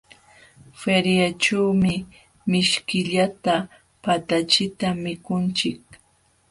Feriaćhuumi mishkillata patachita mikunchik.